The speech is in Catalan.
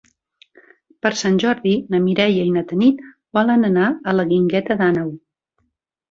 Per Sant Jordi na Mireia i na Tanit volen anar a la Guingueta d'Àneu.